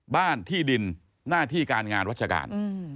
บ้านที่ดินหน้าที่การงานราชการ